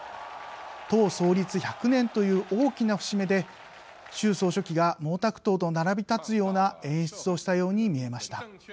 党創立１００年という大きな節目で、習総書記が毛沢東と並び立つような演出をしたように見えました。